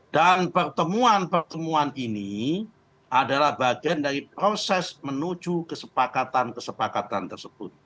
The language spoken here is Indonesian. dan pertemuan pertemuan ini adalah bagian dari proses menuju kesepakatan kesepakatan tersebut